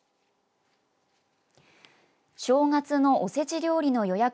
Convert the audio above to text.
正月のおせち料理の予約